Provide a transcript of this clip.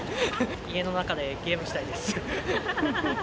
家の中でゲームしたいです。